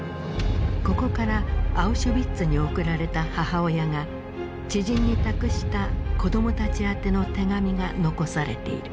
ここからアウシュビッツに送られた母親が知人に託した子どもたち宛ての手紙が残されている。